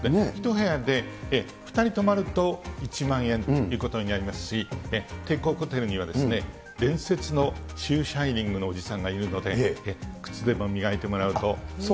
１部屋で２人泊まると１万円ということになりますし、帝国ホテルには、伝説のシューシャイニングのおじさんがいるので、靴でも磨いてもらうと。